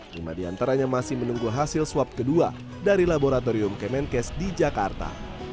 lima diantaranya masih menunggu hasil swab kedua dari laboratorium kemenkes di jakarta